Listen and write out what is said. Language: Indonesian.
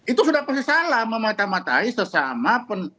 itu sudah pasti salah mematamatai sesama